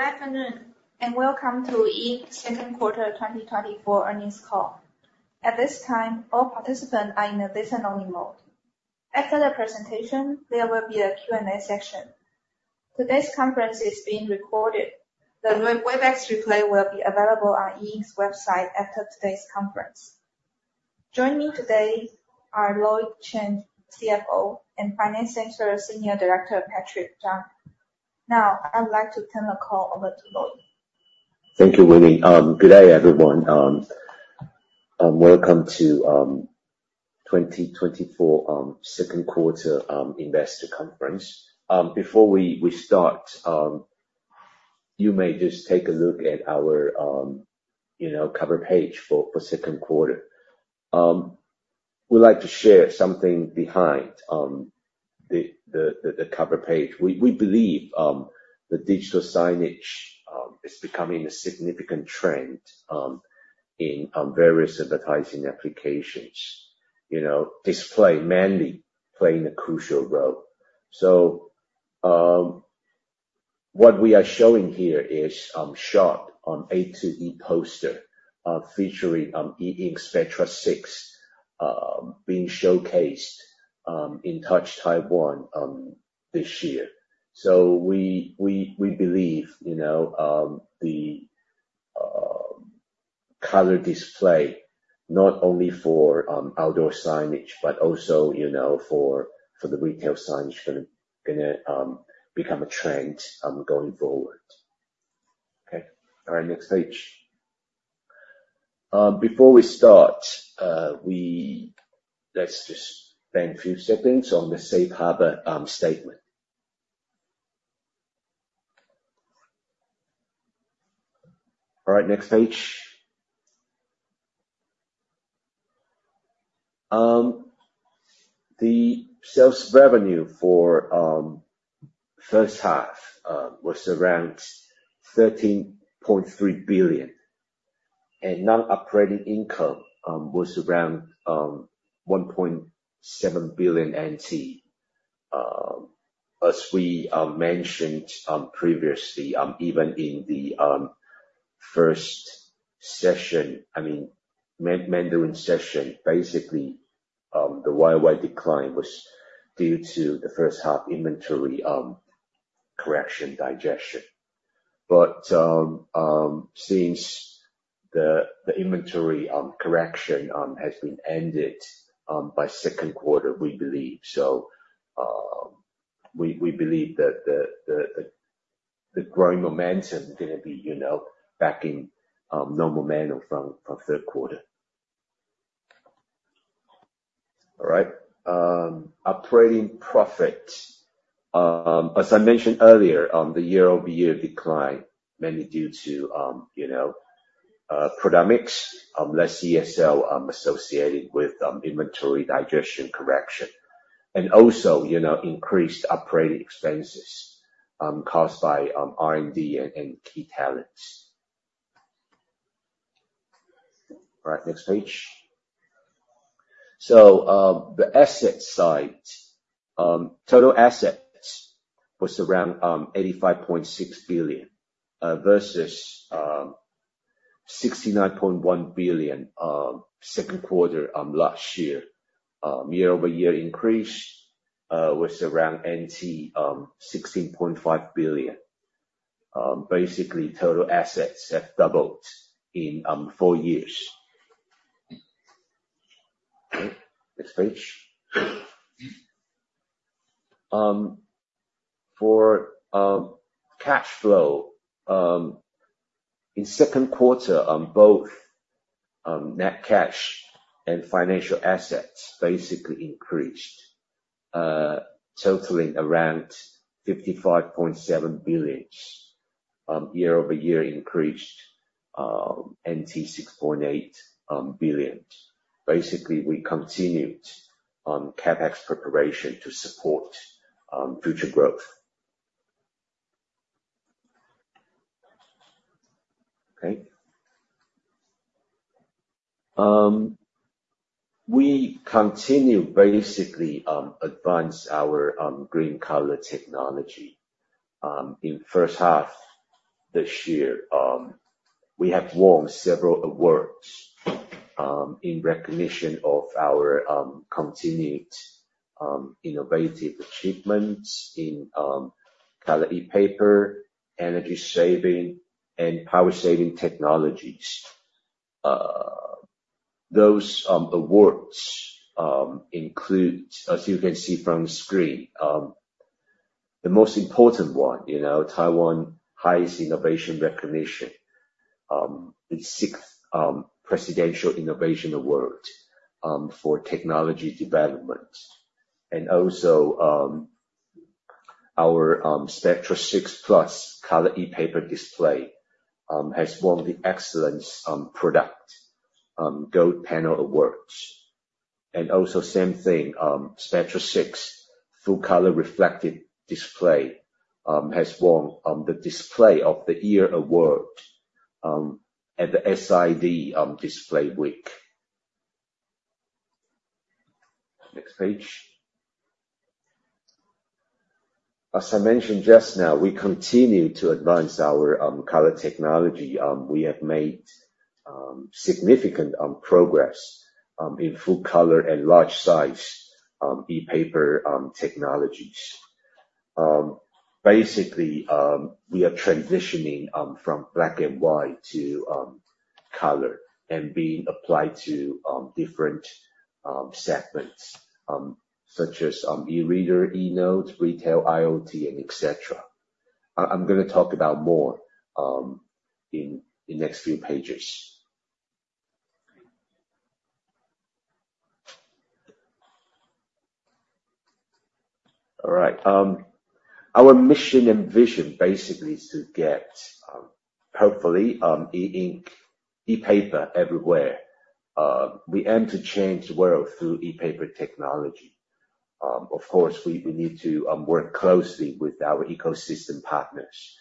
Good afternoon, and welcome to E Ink second quarter 2024 earnings call. At this time, all participants are in a listen-only mode. After the presentation, there will be a Q&A session. Today's conference is being recorded. The Webex replay will be available on E Ink's website after today's conference. Joining me today are Lloyd Chen, CFO, and Finance Center Senior Director, Patrick Chung. Now, I would like to turn the call over to Lloyd. Thank you, Winnie. Good day, everyone. Welcome to 2024 second quarter investor conference. Before we start, you may just take a look at our, you know, cover page for the second quarter. We'd like to share something behind the cover page. We believe that digital signage is becoming a significant trend in various advertising applications. You know, display mainly playing a crucial role. So, what we are showing here is shot on A2 ePoster featuring E Ink Spectra 6 being showcased in Touch Taiwan this year. So we believe, you know, the color display, not only for outdoor signage, but also, you know, for the retail signage gonna become a trend going forward. Okay. All right, next page. Before we start, let's just spend a few seconds on the safe harbor statement. All right, next page. The sales revenue for first half was around 13.3 billion, and non-operating income was around 1.7 billion NT. As we mentioned previously, even in the first session, I mean, Mandarin session, basically, the YoY decline was due to the first half inventory correction digestion. But since the inventory correction has been ended by second quarter, we believe. We believe that the growing momentum is gonna be, you know, back in normal manner from third quarter. All right. Operating profit. As I mentioned earlier, the year-over-year decline, mainly due to, you know, product mix, less ESL, associated with, inventory digestion correction, and also, you know, increased operating expenses, caused by, R&D and key talents. All right, next page. The asset side. Total assets was around 85.6 billion versus 69.1 billion second quarter last year. Year-over-year increase was around 16.5 billion. Basically, total assets have doubled in four years. Okay, next page. For cash flow in second quarter on both net cash and financial assets basically increased, totaling around 55.7 billion. Year-over-year increased 6.8 billion. Basically, we continued on CapEx preparation to support future growth. Okay. We continue basically advance our green color technology. In first half this year, we have won several awards in recognition of our continued innovative achievements in color ePaper, energy saving, and power saving technologies. Those awards include, as you can see from the screen, the most important one, you know, Taiwan Highest Innovation Recognition, the sixth Presidential Innovation Award for technology development. Also, our Spectra 6 Plus color ePaper display has won the Excellence Product Gold Panel Awards. And also same thing, Spectra 6 full color reflective display has won the Display of the Year Award at the SID Display Week. Next page. As I mentioned just now, we continue to advance our color technology. We have made significant progress in full color and large size ePaper technologies. Basically, we are transitioning from black and white to color, and being applied to different segments such as e-reader, e-note, retail, IoT, and et cetera. I'm gonna talk about more in the next few pages. All right. Our mission and vision basically is to get, hopefully, E Ink ePaper everywhere. We aim to change the world through ePaper technology. Of course, we need to work closely with our ecosystem partners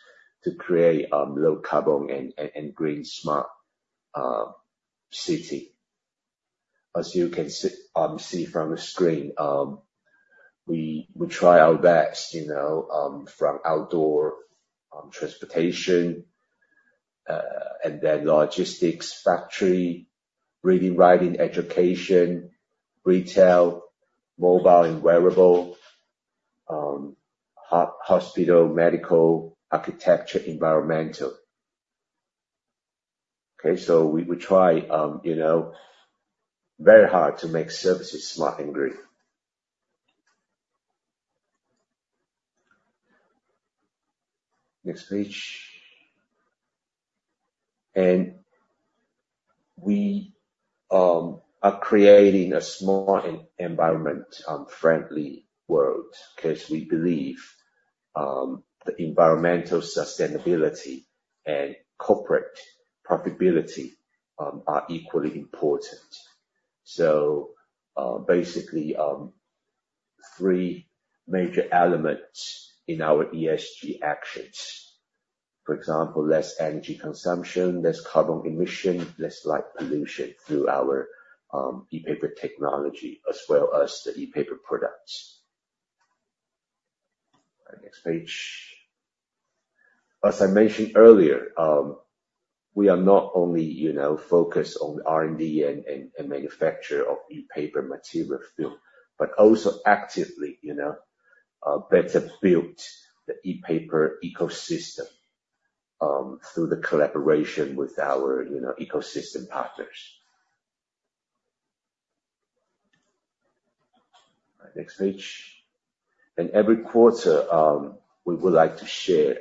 to create low carbon and green smart city. As you can see from the screen, we try our best, you know, from outdoor transportation and then logistics, factory, reading, writing, education, retail, mobile and wearable, hospital, medical, architecture, environmental. Okay, so we try, you know, very hard to make services smart and green. Next page. We are creating a smart and environmentally friendly world, 'cause we believe the environmental sustainability and corporate profitability are equally important. So, basically, three major elements in our ESG actions. For example, less energy consumption, less carbon emission, less light pollution through our ePaper technology, as well as the ePaper products. Next page. As I mentioned earlier, we are not only, you know, focused on R&D and manufacture of ePaper material film, but also actively, you know, better build the ePaper ecosystem through the collaboration with our, you know, ecosystem partners. Next page. Every quarter, we would like to share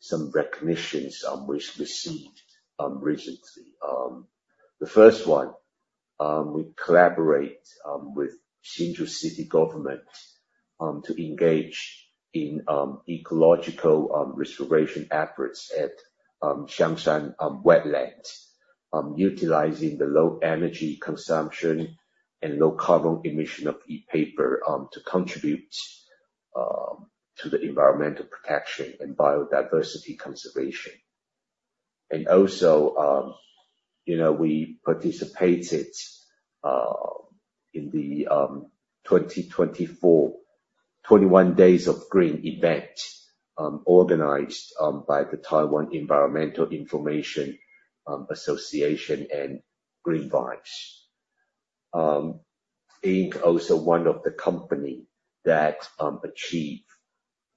some recognitions we've received recently. The first one, we collaborate with Hsinchu City Government to engage in ecological restoration efforts at Xiangshan Wetlands. Utilizing the low energy consumption and low carbon emission of ePaper to contribute to the environmental protection and biodiversity conservation. Also, you know, we participated in the 2024 21 Days of Green event, organized by the Taiwan Environmental Information Association and Greenvines. E Ink also one of the company that achieved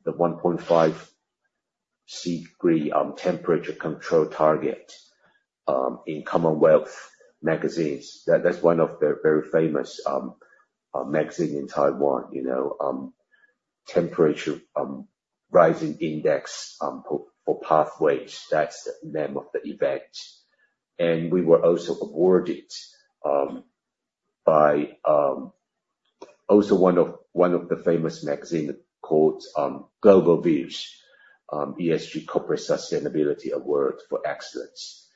the 1.5 degrees Celsius temperature control target in CommonWealth Magazine. That's one of the very famous magazine in Taiwan, you know, Temperature Rising Index for Pathways. That's the name of the event. And we were also awarded by also one of one of the famous magazine called Global Views ESG Corporate Sustainability Award for Excellence,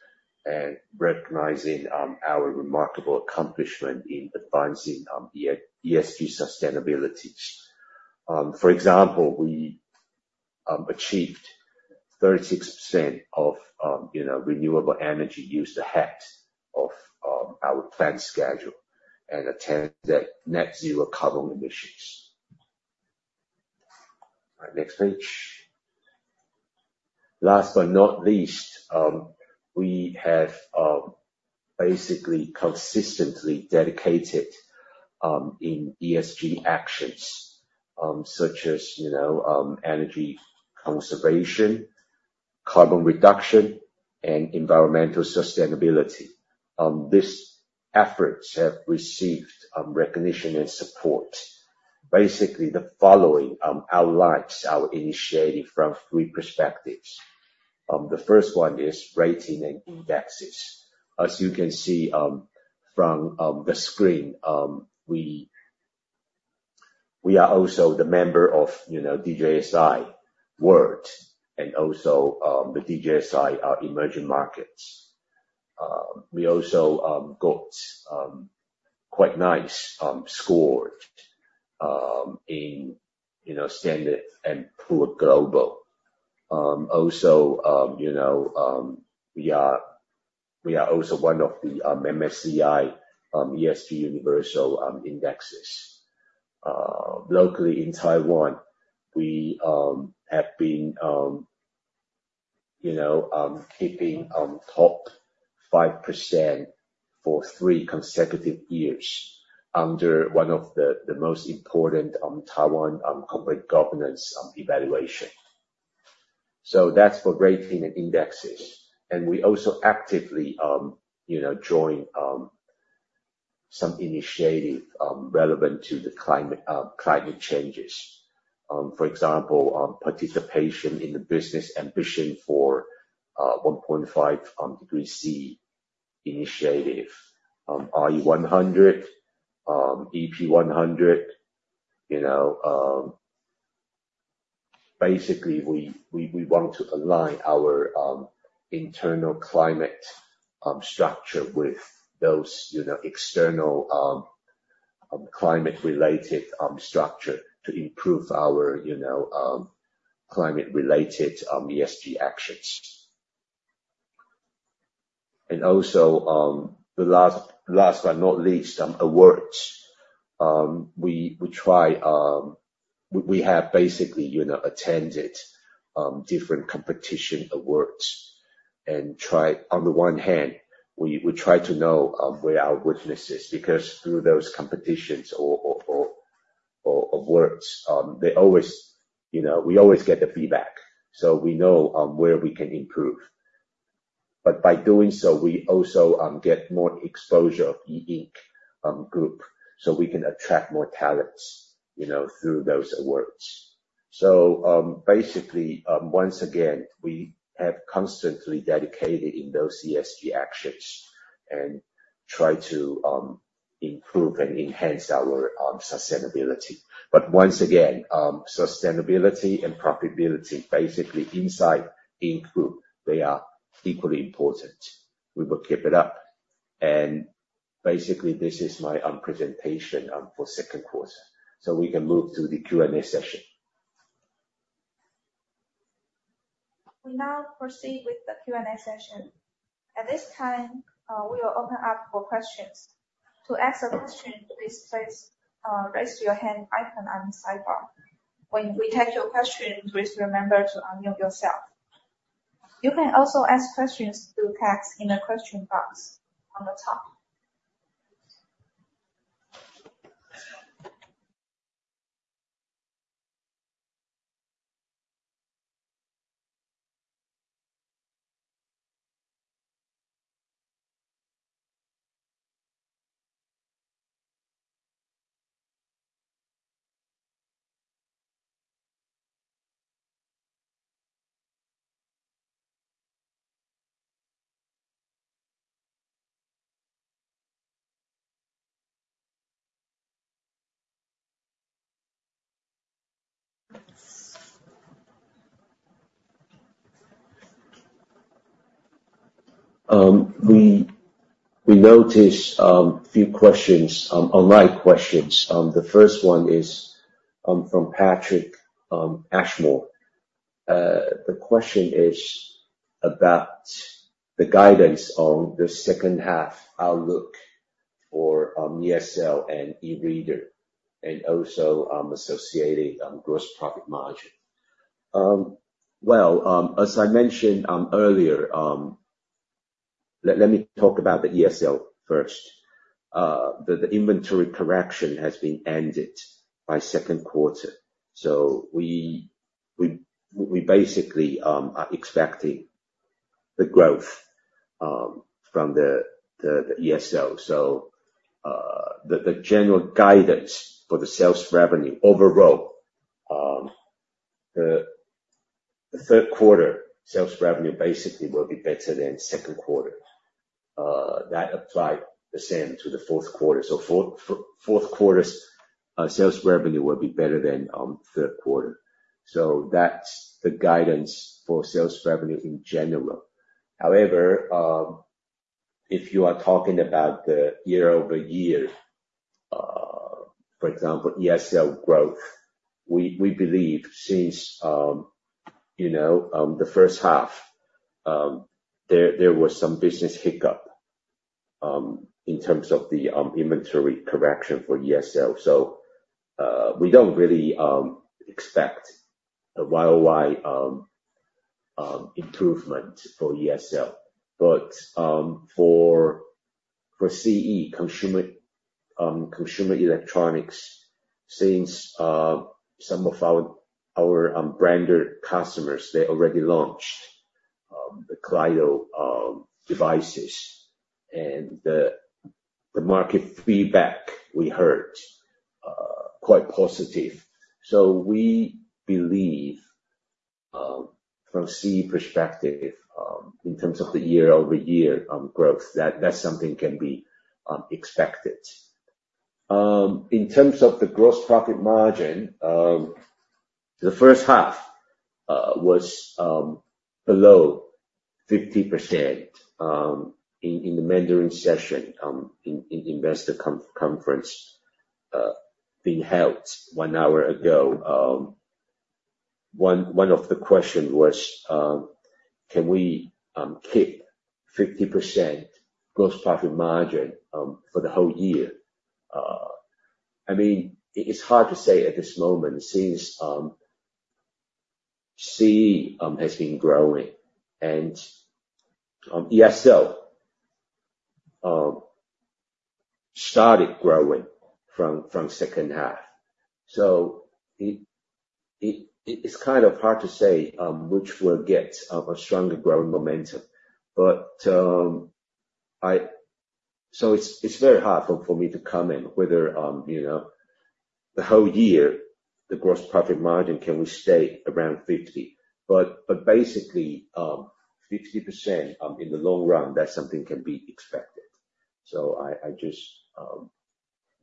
and recognizing our remarkable accomplishment in advancing ESG sustainabilities. For example, we achieved 36% of you know renewable energy use ahead of our planned schedule, and attained net zero carbon emissions. All right, next page. Last but not least, we have basically consistently dedicated in ESG actions, such as, you know, energy conservation, carbon reduction, and environmental sustainability. These efforts have received recognition and support. Basically, the following outlines our initiative from three perspectives. The first one is rating and indexes. As you can see from the screen, we are also the member of, you know, DJSI World, and also the DJSI Emerging Markets. We also got quite nice score in, you know, S&P Global. Also, you know, we are also one of the MSCI ESG Universal Indexes. Locally in Taiwan, we have been, you know, keeping top 5% for three consecutive years under one of the most important Taiwan Corporate Governance Evaluation. So that's for rating and indexes. And we also actively, you know, join some initiative relevant to the climate changes. For example, participation in the Business Ambition for 1.5 degrees C initiative, RE100, EP100. You know, basically, we want to align our internal climate structure with those, you know, external climate-related structure to improve our, you know, climate-related ESG actions. And also, last but not least, awards. We have basically, you know, attended different competition awards and try... On the one hand, we try to know where our weaknesses are, because through those competitions or awards, they always, you know, we always get the feedback, so we know where we can improve. But by doing so, we also get more exposure of E Ink Group, so we can attract more talents, you know, through those awards. So, basically, once again, we have constantly dedicated ourselves to those ESG actions and try to improve and enhance our sustainability. But once again, sustainability and profitability, basically inside E Ink Group, they are equally important. We will keep it up. And basically, this is my presentation for second quarter, so we can move to the Q&A session. We now proceed with the Q&A session. At this time, we will open up for questions. To ask a question, please press, raise your hand icon on the sidebar. When we take your question, please remember to unmute yourself. You can also ask questions through text in the question box on the top. We noticed a few questions online. The first one is from Patrick, Ashmore. The question is about the guidance on the second half outlook for ESL and eReader, and also associated gross profit margin. Well, as I mentioned earlier, let me talk about the ESL first. The inventory correction has been ended by second quarter, so we basically are expecting the growth from the ESL. So, the general guidance for the sales revenue overall, the third quarter sales revenue basically will be better than second quarter. That apply the same to the fourth quarter. So fourth quarter's sales revenue will be better than third quarter. So that's the guidance for sales revenue in general. However, if you are talking about the year-over-year, for example, ESL growth, we believe since, you know, the first half, there was some business hiccup in terms of the inventory correction for ESL. So, we don't really expect a YoY improvement for ESL. But, for CE, consumer electronics, since some of our branded customers, they already launched the Kaleido devices, and the market feedback we heard quite positive. So we believe, from CE perspective, in terms of the year-over-year growth, that that's something can be expected. In terms of the gross profit margin... So the first half was below 50% in the Mandarin session, in investor conference being held one hour ago. One of the question was, can we keep 50% gross profit margin for the whole year? I mean, it is hard to say at this moment, since CE has been growing and ESL started growing from second half. So it is kind of hard to say which will get a stronger growing momentum. But so it's very hard for me to comment whether, you know, the whole year, the gross profit margin, can we stay around 50. But basically, 50% in the long run, that's something can be expected. So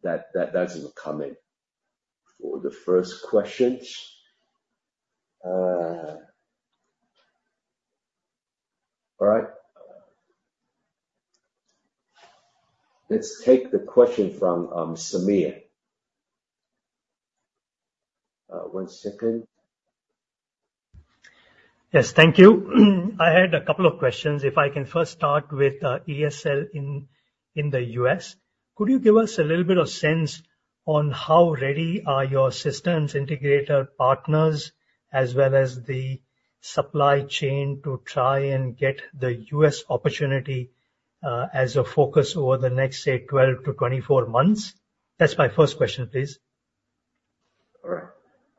that's my comment for the first questions. All right. Let's take the question from Samir. One second. Yes, thank you. I had a couple of questions. If I can first start with ESL in the U.S. Could you give us a little bit of sense on how ready are your systems integrator partners, as well as the supply chain, to try and get the U.S. opportunity as a focus over the next, say, 12-24 months? That's my first question, please. All right.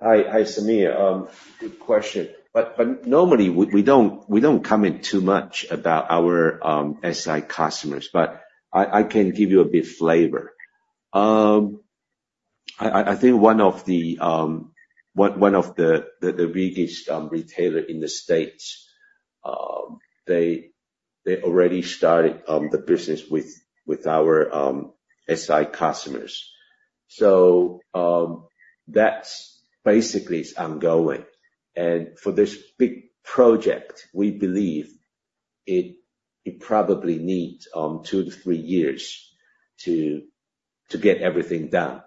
Hi, hi, Samir. Good question. But normally we don't comment too much about our SI customers, but I can give you a bit flavor. I think one of the biggest retailer in the States, they already started the business with our SI customers. So, that's basically it's ongoing. And for this big project, we believe it probably needs 2-3 years to get everything done.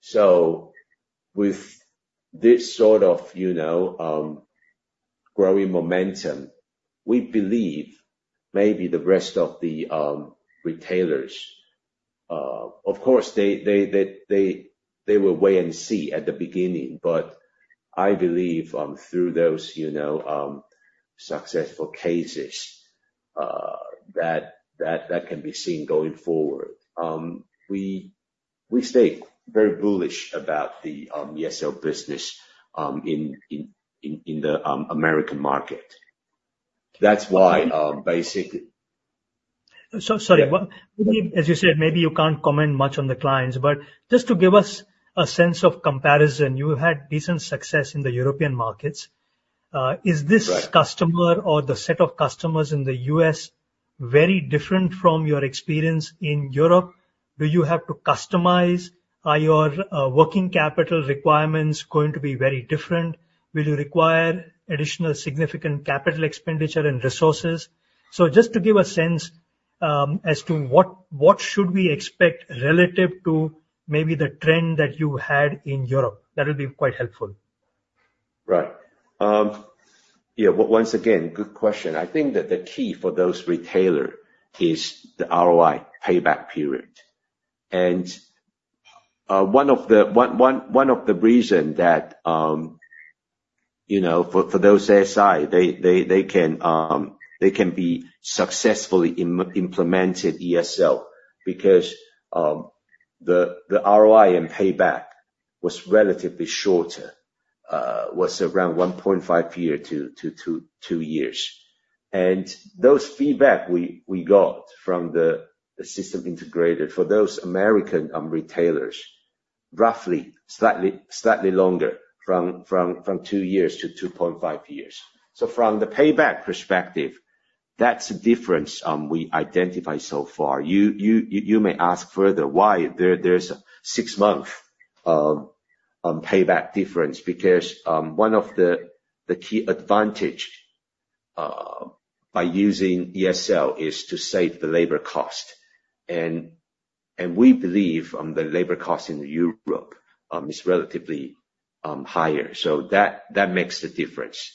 So with this sort of, you know, growing momentum, we believe maybe the rest of the retailers. Of course, they will wait and see at the beginning, but I believe through those, you know, successful cases, that can be seen going forward. We stay very bullish about the ESL business in the American market. That's why, basic- So sorry- Yeah. One, as you said, maybe you can't comment much on the clients, but just to give us a sense of comparison, you had decent success in the European markets. Right. Is this customer or the set of customers in the U.S. very different from your experience in Europe? Do you have to customize? Are your working capital requirements going to be very different? Will you require additional significant capital expenditure and resources? So just to give a sense, as to what should we expect relative to maybe the trend that you had in Europe. That would be quite helpful. Right. Yeah, once again, good question. I think that the key for those retailers is the ROI payback period. And one of the reasons that, you know, for those SI, they can be successfully implemented ESL, because the ROI and payback was relatively shorter, was around 1.5 year to 2 years. And the feedback we got from the system integrator for those American retailers, roughly slightly longer from 2 years to 2.5 years. So from the payback perspective, that's the difference we identified so far. You may ask further why there's a 6-month payback difference? Because one of the key advantage by using ESL is to save the labor cost. We believe the labor cost in Europe is relatively higher, so that makes the difference.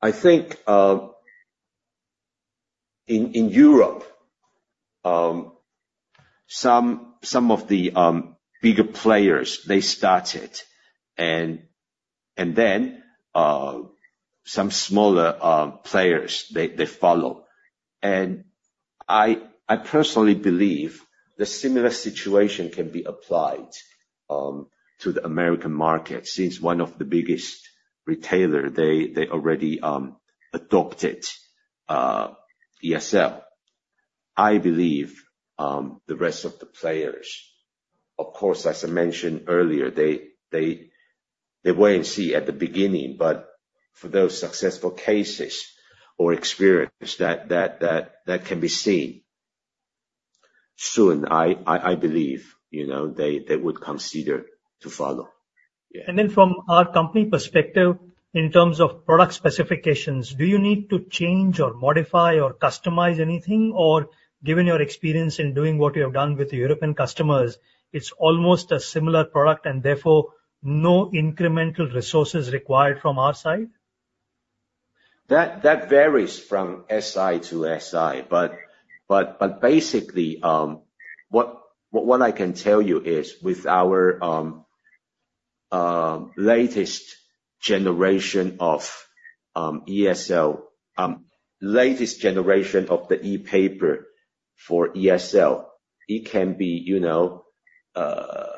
I think in Europe some of the bigger players, they started and then some smaller players, they follow. I personally believe the similar situation can be applied to the American market, since one of the biggest retailer, they already adopted ESL. I believe the rest of the players, of course, as I mentioned earlier, they wait and see at the beginning, but for those successful cases or experience that can be seen soon. I believe, you know, they would consider to follow. Yeah. Then from our company perspective, in terms of product specifications, do you need to change or modify or customize anything? Or given your experience in doing what you have done with the European customers, it's almost a similar product, and therefore, no incremental resources required from our side. That varies from SI to SI. But basically, what I can tell you is, with our latest generation of ESL, latest generation of the ePaper for ESL, it can be, you know, for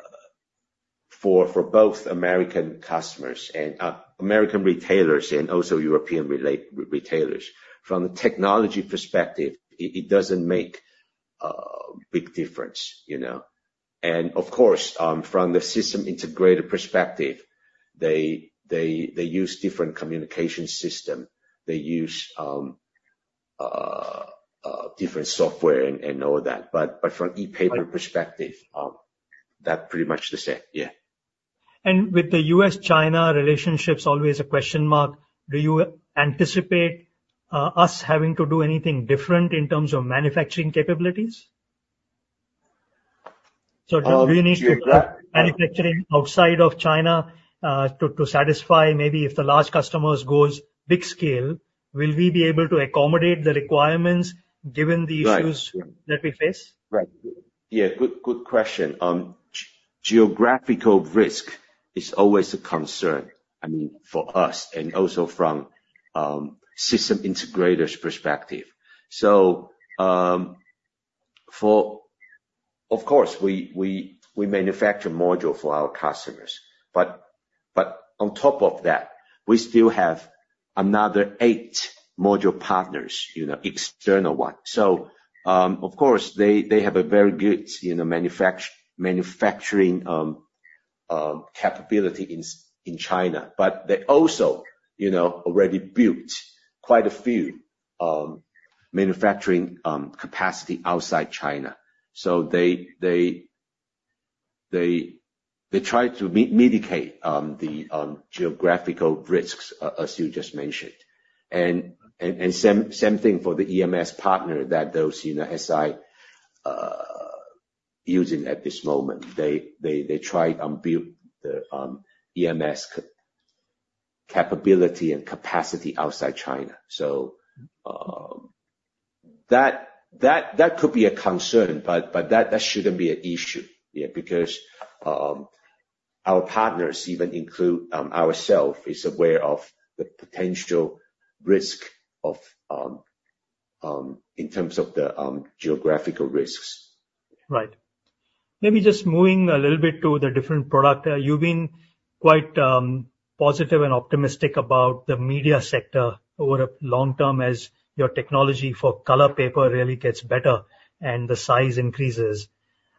both American customers and American retailers and also European retailers. From the technology perspective, it doesn't make a big difference, you know? And of course, from the system integrator perspective, they use different communication system. They use different software and all that. But from ePaper perspective, that pretty much the same. Yeah. With the U.S.-China relationship's always a question mark, do you anticipate us having to do anything different in terms of manufacturing capabilities? Do we need to- Yeah, that- manufacturing outside of China, to satisfy maybe if the large customers goes big scale, will we be able to accommodate the requirements given the issues- Right. that we face? Right. Yeah, good, good question. Geographical risk is always a concern, I mean, for us, and also from system integrators' perspective. So, of course, we manufacture module for our customers, but on top of that, we still have another eight module partners, you know, external one. So, of course, they have a very good, you know, manufacturing capability in China. But they also, you know, already built quite a few manufacturing capacity outside China. So they try to mitigate the geographical risks, as you just mentioned. And same thing for the EMS partner that those, you know, SI using at this moment. They try and build the EMS capability and capacity outside China. So, that could be a concern, but that shouldn't be an issue, yeah, because our partners even include ourselves is aware of the potential risk in terms of the geographical risks. Right. Maybe just moving a little bit to the different product. You've been quite positive and optimistic about the media sector over a long term as your technology for color paper really gets better and the size increases.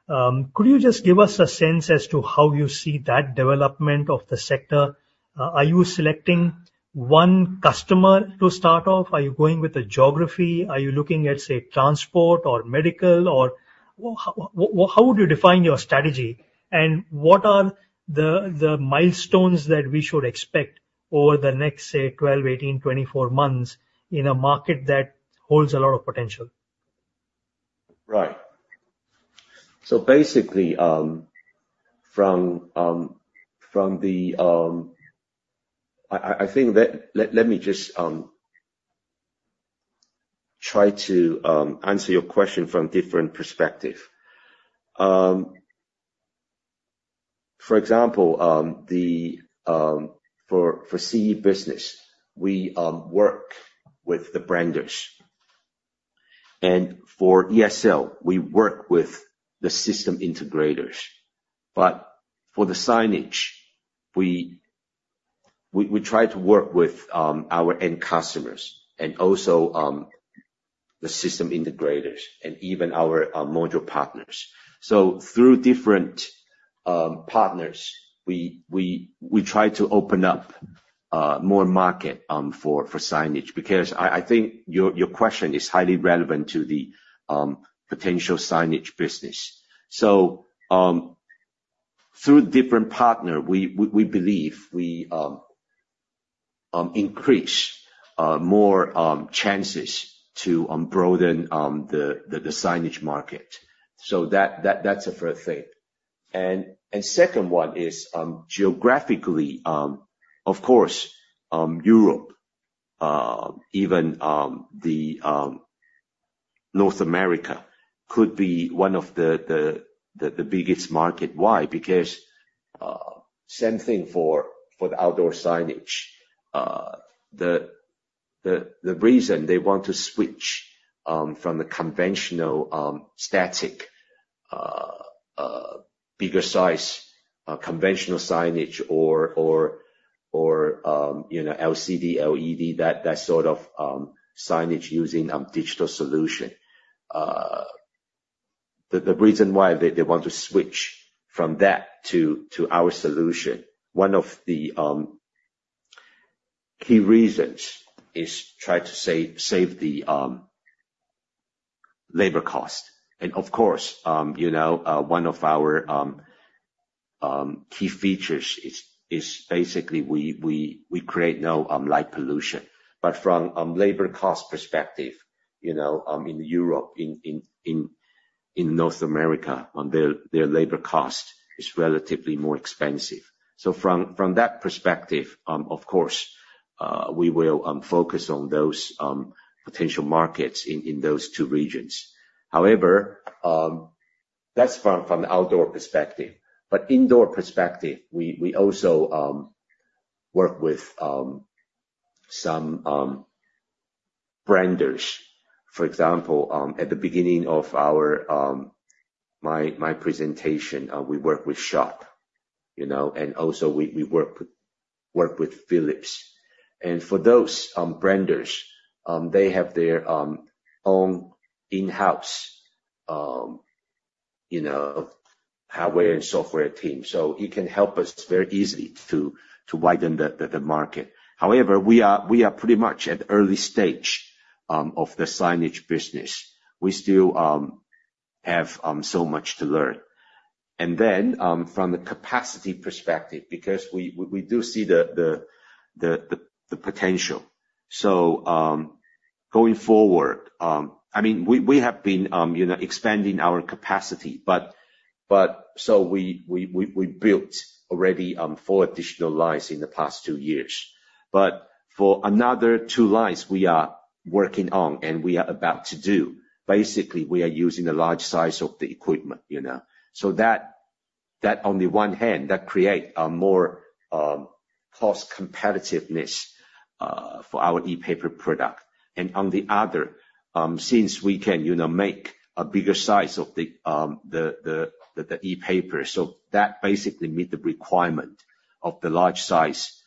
Could you just give us a sense as to how you see that development of the sector? Are you selecting one customer to start off? Are you going with the geography? Are you looking at, say, transport or medical? Or how would you define your strategy, and what are the, the milestones that we should expect over the next, say, 12, 18, 24 months in a market that holds a lot of potential? Right. So basically, from the... I think let me just try to answer your question from different perspective. For example, for CE business, we work with the branders. And for ESL, we work with the system integrators. But for the signage, we try to work with our end customers and also the system integrators and even our module partners. So through different partners, we try to open up more market for signage, because I think your question is highly relevant to the potential signage business. So through different partner, we believe we increase more chances to broaden the signage market. So that that's the first thing. The second one is, geographically, of course, Europe, even, the North America could be one of the biggest market. Why? Because, same thing for the outdoor signage. The reason they want to switch from the conventional static bigger size conventional signage or, you know, LCD, LED, that sort of signage using digital solution. The reason why they want to switch from that to our solution, one of the key reasons is try to save the labor cost. And of course, you know, one of our key features is basically we create no light pollution. But from labor cost perspective, you know, in Europe, in North America, their labor cost is relatively more expensive. So from that perspective, of course, we will focus on those potential markets in those two regions. However, that's from the outdoor perspective. But indoor perspective, we also work with some branders. For example, at the beginning of my presentation, we work with Sharp, you know, and also we work with Philips. And for those branders, they have their own in-house, you know, hardware and software team. So it can help us very easily to widen the market. However, we are pretty much at early stage of the signage business. We still have so much to learn. And then from the capacity perspective, because we do see the potential. So going forward, I mean, we have been you know expanding our capacity, but so we built already four additional lines in the past two years. But for another two lines we are working on and we are about to do, basically, we are using a large size of the equipment, you know. So that on the one hand, that create a more cost competitiveness for our ePaper product. And on the other, since we can you know make a bigger size of the ePaper, so that basically meet the requirement of the large size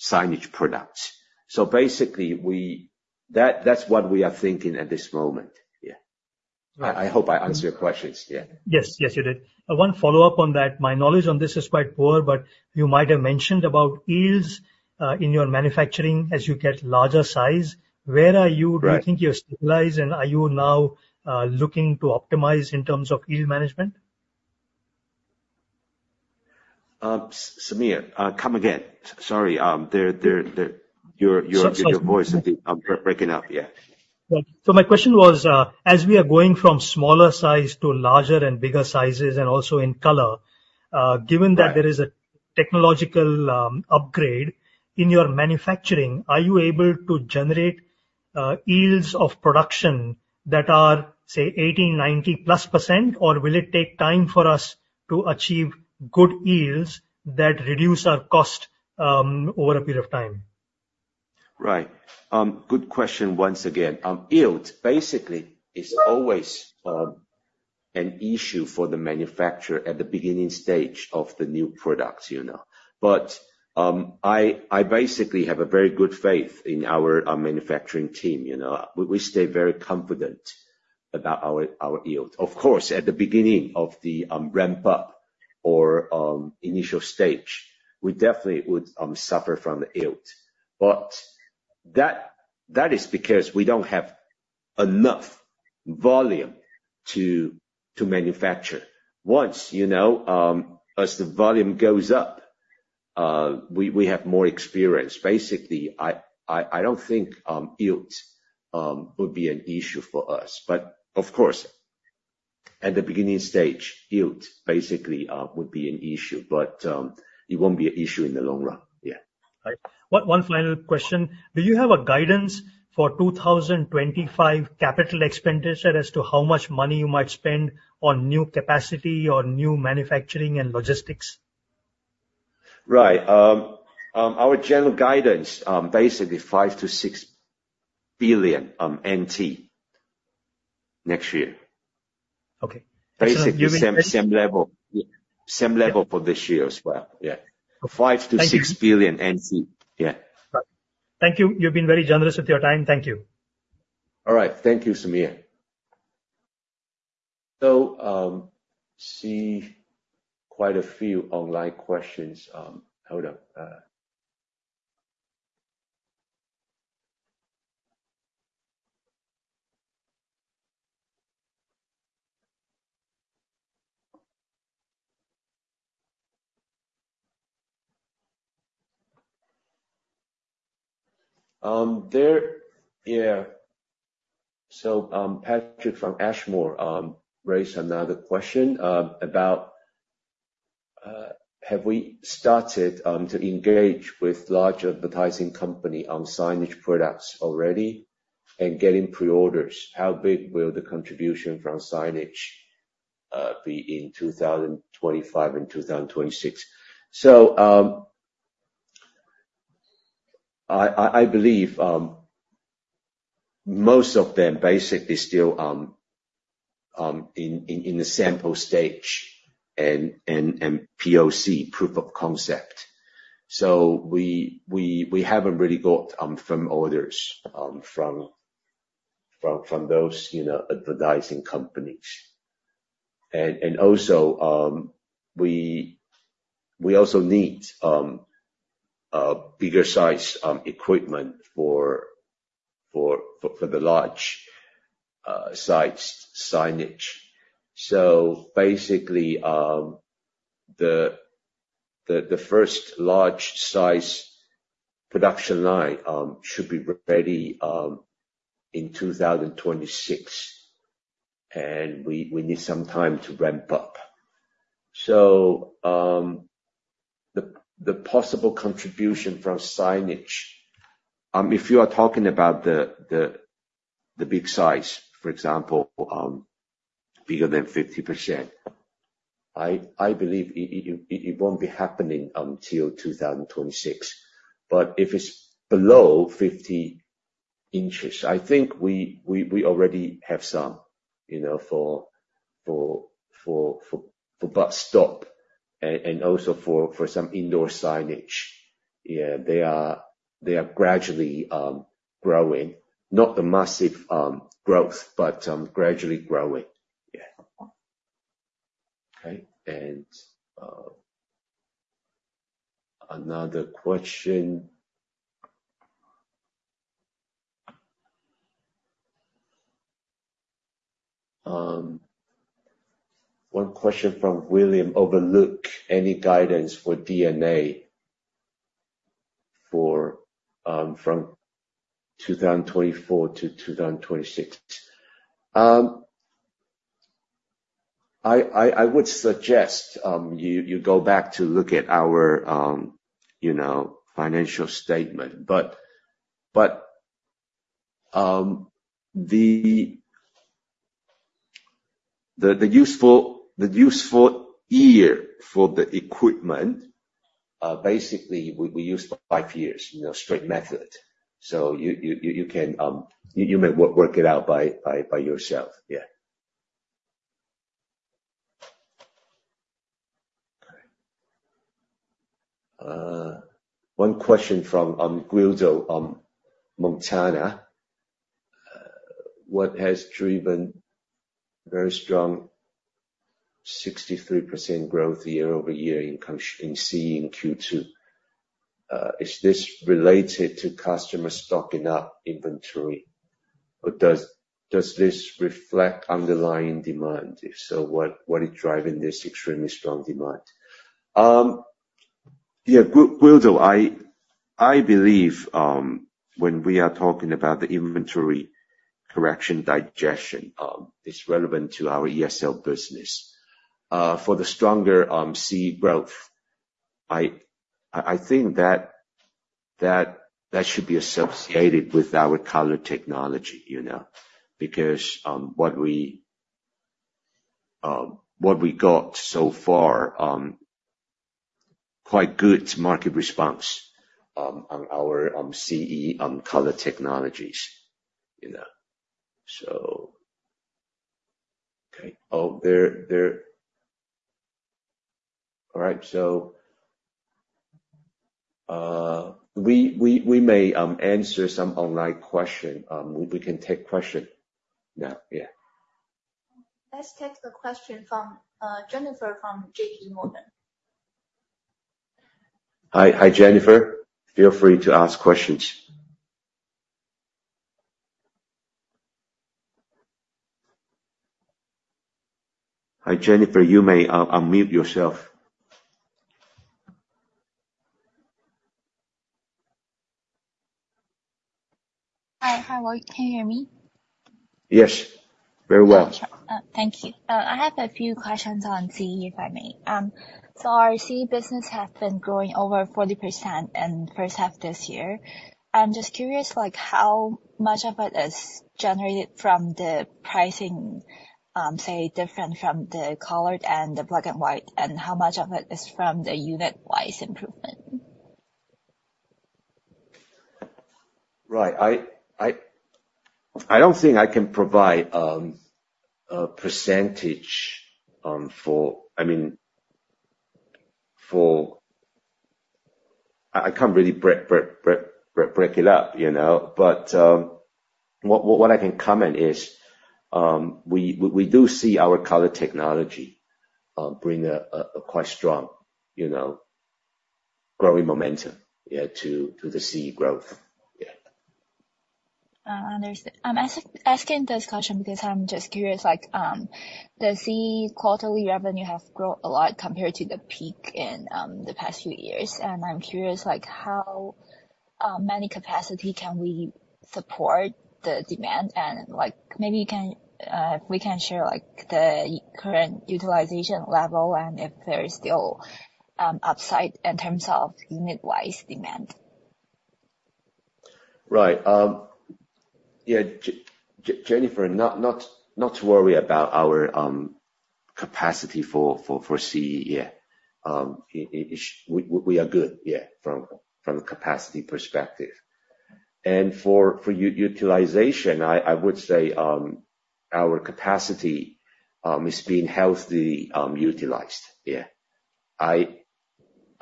signage products. So basically, we... That's what we are thinking at this moment. Yeah. I hope I answered your questions. Yeah. Yes. Yes, you did. I want to follow up on that. My knowledge on this is quite poor, but you might have mentioned about yields in your manufacturing as you get larger size. Where are you- Right. Do you think you're stabilized, and are you now looking to optimize in terms of yield management? Samir, come again. Sorry, your, your- Sorry. -Your voice is breaking up. Yeah. Well, so my question was, as we are going from smaller size to larger and bigger sizes and also in color, given that- Right... there is a technological upgrade in your manufacturing, are you able to generate yields of production that are, say, 80, 90+%? Or will it take time for us to achieve good yields that reduce our cost over a period of time? Right. Good question once again. Yield basically is always an issue for the manufacturer at the beginning stage of the new products, you know. But I basically have a very good faith in our manufacturing team, you know. We stay very confident about our yield. Of course, at the beginning of the ramp up or initial stage, we definitely would suffer from the yield. But that is because we don't have enough volume to manufacture. Once, you know, as the volume goes up, we have more experience. Basically, I don't think yield would be an issue for us, but of course, at the beginning stage, yield basically would be an issue, but it won't be an issue in the long run. Yeah. Right. One final question: Do you have a guidance for 2025 capital expenditure as to how much money you might spend on new capacity or new manufacturing and logistics? Right. Our general guidance, basically 5-6 billion NT next year. Okay. Basically, same, same level. Same level for this year as well. Yeah. Thank you. 5 billion-6 billion. Yeah. Thank you. You've been very generous with your time. Thank you. All right. Thank you, Samir. So, see quite a few online questions, hold on. There. Yeah. So, Patrick from Ashmore raised another question about: Have we started to engage with large advertising company on signage products already and getting pre-orders? How big will the contribution from signage be in 2025 and 2026? So, I believe most of them basically still in the sample stage and POC, proof of concept. So we haven't really got firm orders from those, you know, advertising companies. And also, we also need a bigger sized equipment for the large size signage. So basically, the first large size production line should be ready in 2026, and we need some time to ramp up. So, the possible contribution from signage, if you are talking about the big size, for example, bigger than 50%, I believe it won't be happening until 2026. But if it's below 50 inches, I think we already have some, you know, for bus stop and also for some indoor signage. Yeah, they are gradually growing. Not the massive growth, but gradually growing. Yeah. Okay, and another question. One question from William, Overlook, any guidance for D&A for from 2024 to 2026? I would suggest you go back to look at our, you know, financial statement. But the useful year for the equipment, basically, we use 5 years, you know, straight method. So you can, you may work it out by yourself. Yeah. One question from Guido, Montanaro. What has driven very strong 63% growth year-over-year in CE in Q2? Is this related to customer stocking up inventory, or does this reflect underlying demand? If so, what is driving this extremely strong demand? Yeah, Guido, I believe when we are talking about the inventory correction digestion, it's relevant to our ESL business. For the stronger CE growth, I think that should be associated with our color technology, you know, because what we got so far quite good market response on our CE color technologies, you know. So, okay. All right, so, we may answer some online question. We can take question now, yeah. Let's take the question from Jennifer from JPMorgan. Hi, hi, Jennifer. Feel free to ask questions. Hi, Jennifer, you may unmute yourself. Hi. Hi, Lloyd, can you hear me? Yes, very well. Gotcha. Thank you. I have a few questions on CE, if I may. So our CE business has been growing over 40% in first half this year. I'm just curious, like, how much of it is generated from the pricing, say, different from the colored and the black and white, and how much of it is from the unit-wise improvement? Right. I don't think I can provide a percentage for... I mean, for... I can't really break it up, you know? But, what I can comment is, we do see our color technology bring a quite strong, you know, growing momentum, yeah, to the CE growth. Yeah. Understood. I'm asking this question because I'm just curious, like, the CE quarterly revenue has grown a lot compared to the peak in, the past few years, and I'm curious, like, how many capacity can we support the demand? And, like, maybe you can, we can share, like, the current utilization level and if there is still, upside in terms of unit-wise demand. Right. Yeah, Jennifer, not to worry about our capacity for CE. Yeah. We are good, yeah, from a capacity perspective. For utilization, I would say our capacity is being healthy utilized. Yeah. I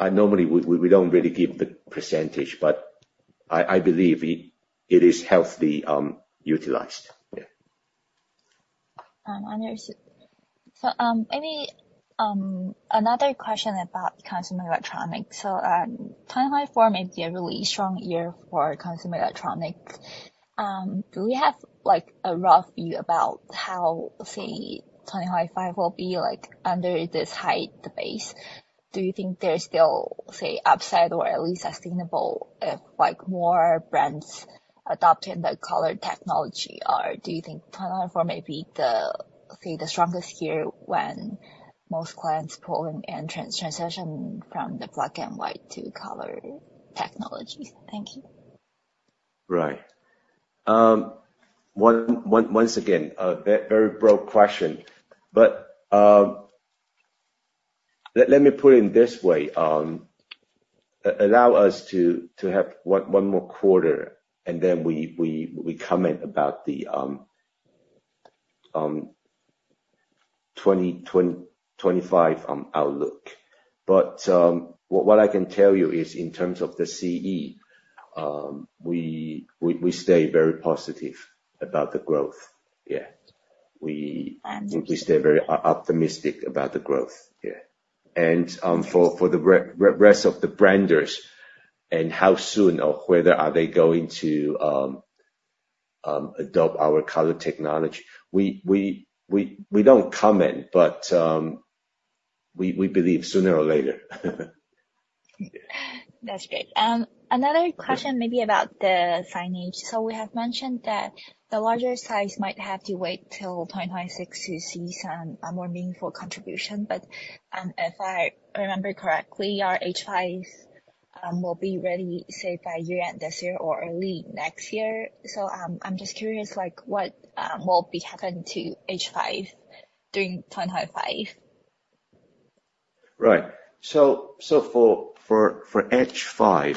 normally would, we don't really give the percentage, but I believe it is healthy utilized. Yeah. Understood. So, any another question about consumer electronics. So, 2024 may be a really strong year for consumer electronics. Do we have, like, a rough view about how, say, 2025 will be like under this high base? Do you think there's still, say, upside or at least sustainable, like more brands adopting the color technology? Or do you think 2024 may be the, say, the strongest year when most clients pull in and transition from the black and white to color technologies? Thank you. Right. Once again, a very broad question, but let me put it in this way. Allow us to have one more quarter, and then we comment about the 25 outlook. But what I can tell you is in terms of the CE, we stay very positive about the growth. Yeah. We- Understood. We stay very optimistic about the growth. Yeah. For the rest of the branders and how soon or whether are they going to adopt our color technology, we don't comment, but we believe sooner or later. That's great. Another question maybe about the signage. So we have mentioned that the larger size might have to wait till 2026 to see some, a more meaningful contribution. But, if I remember correctly, our H5 will be ready, say, by year end this year or early next year. So, I'm just curious, like, what will be happen to H5 during 2025? Right. So for H5,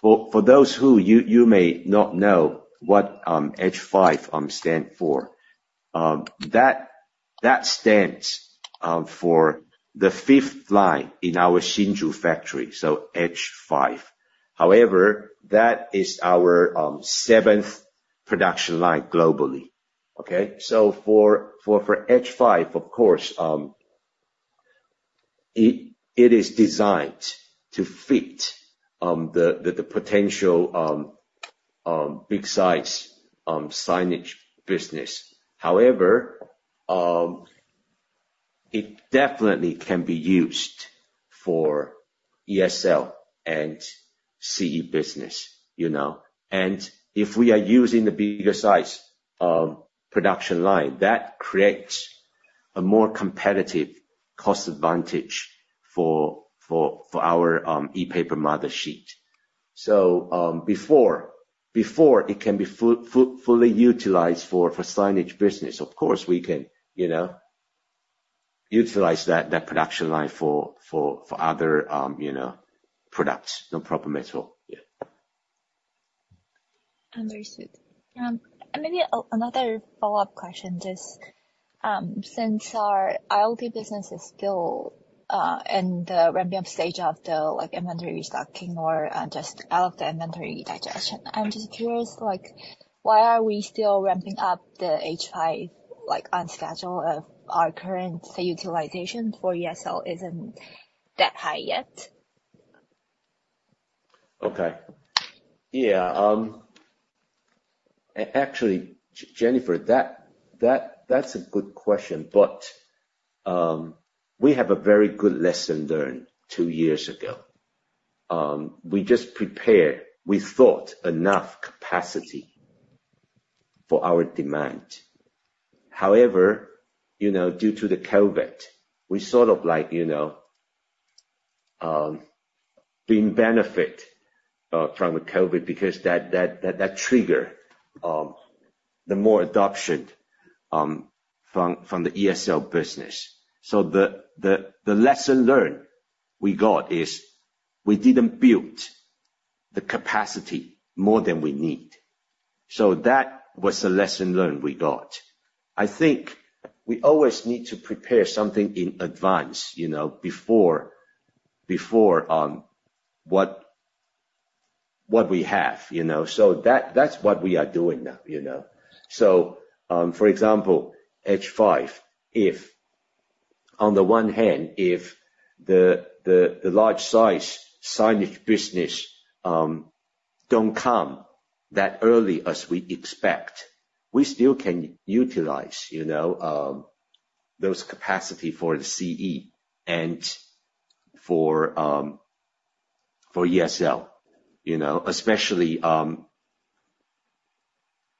for those who you may not know what H5 stands for, that stands for the fifth line in our Hsinchu factory, so H5. However, that is our seventh production line globally, okay? So for H5, of course, it is designed to fit the potential big size signage business. However, it definitely can be used for ESL and CE business, you know? And if we are using the bigger size production line, that creates a more competitive cost advantage for our ePaper mother sheet. So before it can be fully utilized for signage business, of course, we can, you know, utilize that production line for other, you know, products. No problem at all. Yeah. Understood. And maybe another follow-up question, just, since our IoT business is still in the ramping up stage of the like inventory restocking or just out of the inventory digestion, I'm just curious, like, why are we still ramping up the H5, like, on schedule of our current, say, utilization for ESL isn't that high yet? Okay. Yeah, actually, Jennifer, that's a good question, but, we have a very good lesson learned two years ago. We just prepared, we thought, enough capacity for our demand. However, you know, due to the COVID, we sort of like, you know, being benefit from the COVID because that trigger the more adoption from the ESL business. So the lesson learned we got is, we didn't build the capacity more than we need. So that was the lesson learned we got. I think we always need to prepare something in advance, you know, before what we have, you know? So that's what we are doing now, you know. So, for example, H5, if on the one hand, if the large size signage business don't come that early as we expect, we still can utilize, you know, those capacity for the CE and for ESL, you know. Especially,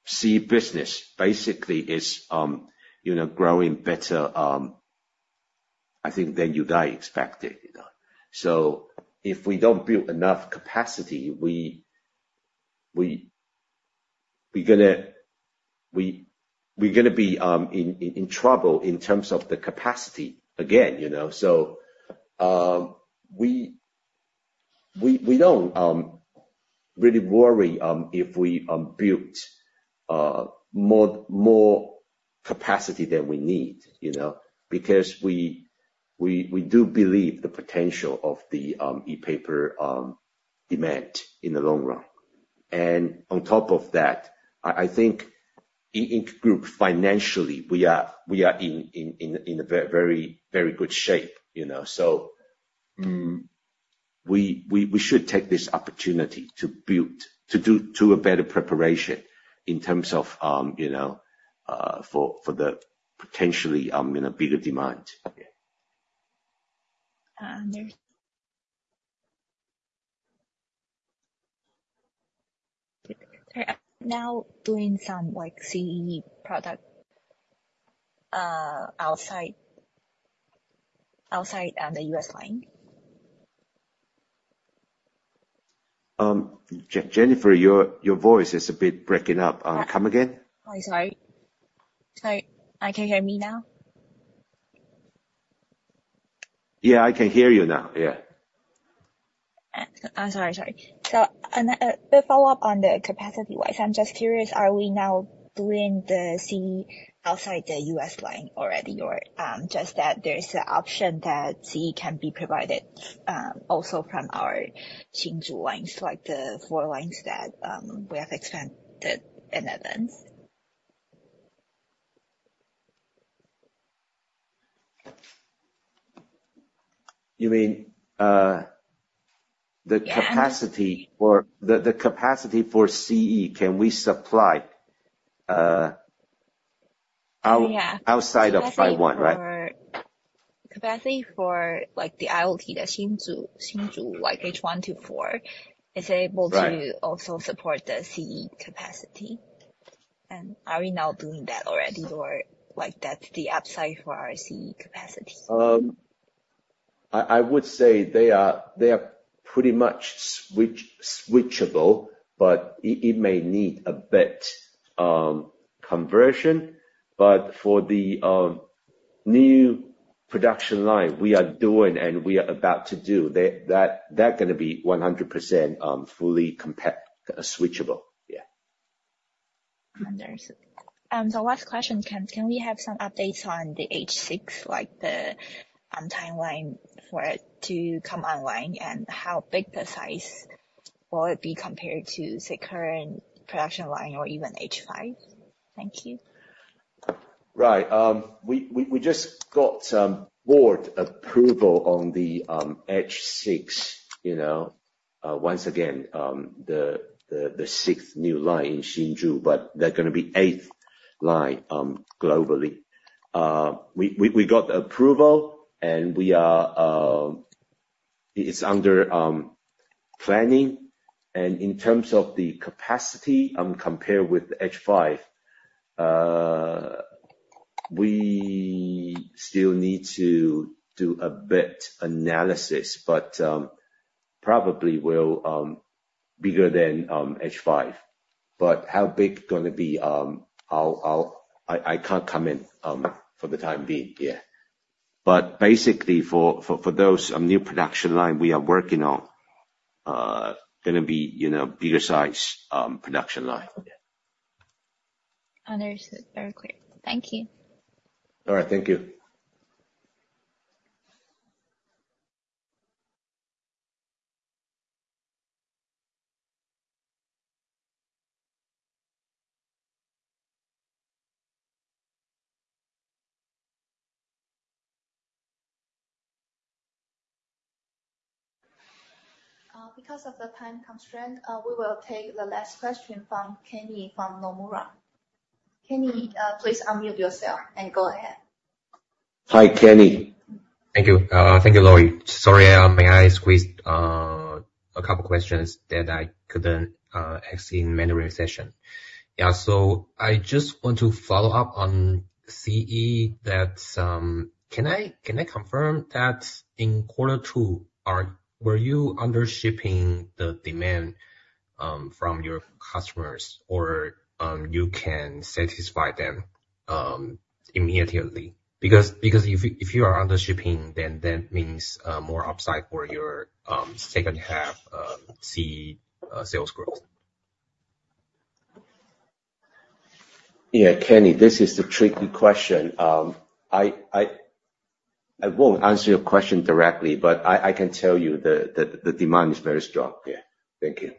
CE business basically is, you know, growing better, I think, than you guys expected, you know? So if we don't build enough capacity, we're gonna be in trouble in terms of the capacity again, you know? So, we don't really worry if we build more capacity than we need, you know? Because we do believe the potential of the e-paper demand in the long run. And on top of that, I think E Ink group financially, we are in a very, very good shape, you know? So, we should take this opportunity to do a better preparation in terms of, you know, for the potentially bigger demand. There's... Sorry, now doing some like, CE product, outside, outside, the U.S. line? Jennifer, your voice is a bit breaking up. Come again? I'm sorry. So can you hear me now? Yeah, I can hear you now. Yeah. I'm sorry, sorry. So a follow-up on the capacity-wise, I'm just curious, are we now doing the CE outside the U.S. line already, or just that there is an option that CE can be provided also from our Hsinchu lines, like the four lines that we have expanded in advance? You mean, Yeah ... the capacity or the, the capacity for CE, can we supply? Yeah... outside of 51, right? Capacity for, like, the IoT, the Hsinchu, like H1 to 4, is able to- Right Also support the CE capacity. And are we now doing that already? Or like that's the upside for our CE capacity? I would say they are pretty much switchable, but it may need a bit conversion. But for the new production line we are doing and we are about to do, they're gonna be 100% fully switchable. Yeah. Understood. The last question, Ken, can we have some updates on the H6, like the timeline for it to come online, and how big the size will it be compared to the current production line or even H5? Thank you. Right. We just got board approval on the H6, you know. Once again, the sixth new line in Hsinchu, but they're gonna be eighth line globally. We got the approval, and we are—it's under planning. And in terms of the capacity, compared with the H5, we still need to do a bit analysis, but probably will bigger than H5. But how big gonna be? I'll—I can't comment for the time being. Yeah. But basically, for those new production line we are working on, gonna be, you know, bigger size production line. Yeah. Understood. Very quick. Thank you. All right. Thank you. Because of the time constraint, we will take the last question from Kenny, from Nomura. Kenny, please unmute yourself and go ahead. Hi, Kenny. Thank you. Thank you, Lori. Sorry, may I squeeze a couple questions that I couldn't ask in manual session? Yeah. So I just want to follow up on CE that can I, can I confirm that in quarter two, were you under shipping the demand from your customers, or you can satisfy them immediately? Because if you are under shipping, then that means more upside for your second half CE sales growth. Yeah, Kenny, this is a tricky question. I won't answer your question directly, but I can tell you the demand is very strong. Yeah. Thank you.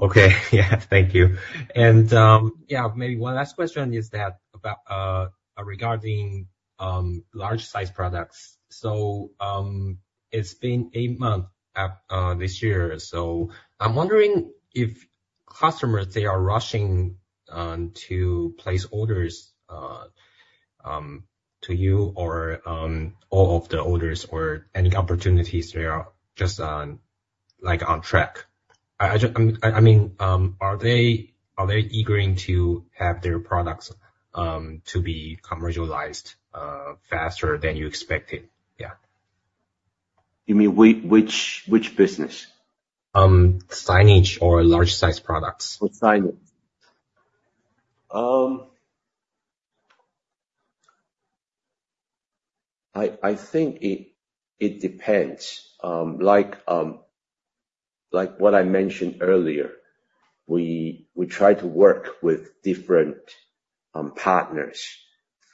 Okay. Yeah, thank you. And, yeah, maybe one last question is that about, regarding, large-sized products. So, it's been eight months, this year, so I'm wondering if customers, they are rushing, to place orders, to you or, all of the orders or any opportunities they are just on, like, on track. I mean, are they, are they eager to have their products, to be commercialized, faster than you expected? Yeah. You mean which, which business? Signage or large-sized products. For signage? I think it depends. Like what I mentioned earlier, we try to work with different partners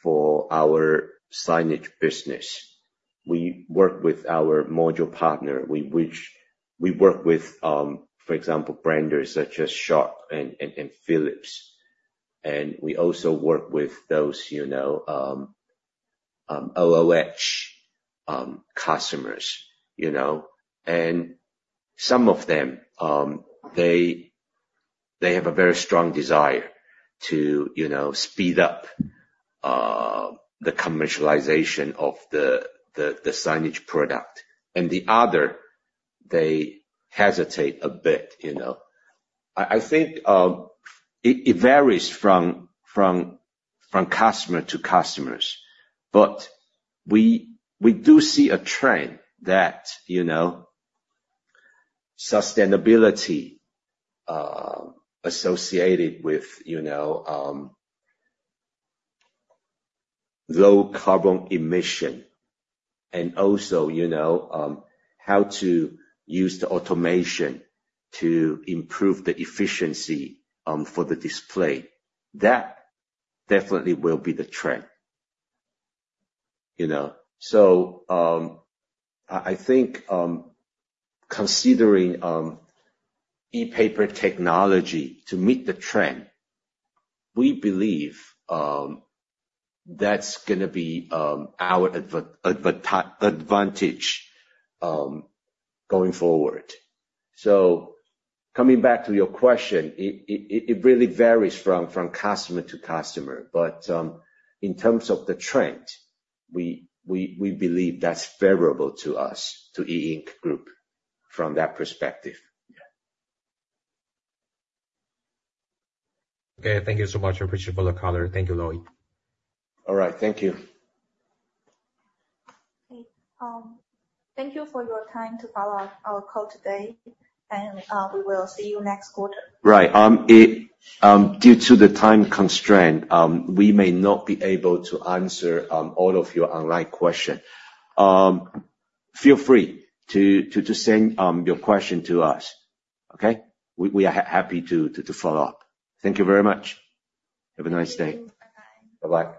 for our signage business. We work with our module partner, we work with, for example, brands such as Sharp and Philips, and we also work with those, you know, OOH customers, you know? And some of them, they have a very strong desire to, you know, speed up the commercialization of the signage product. And the others, they hesitate a bit, you know? I think it varies from customer to customer. But we do see a trend that, you know, sustainability associated with, you know, low carbon emission and also, you know, how to use the automation to improve the efficiency for the display. That definitely will be the trend, you know. So I think considering ePaper technology to meet the trend, we believe that's gonna be our advantage going forward. So coming back to your question, it really varies from customer to customer. But in terms of the trend, we believe that's favorable to us, to E Ink Group, from that perspective. Yeah. Okay, thank you so much. I appreciate for the call. Thank you, Lloyd. All right, thank you. Okay, thank you for your time to follow our call today, and we will see you next quarter. Right. Due to the time constraint, we may not be able to answer all of your online question. Feel free to send your question to us, okay? We are happy to follow up. Thank you very much. Have a nice day. Thank you. Bye-bye. Bye-bye.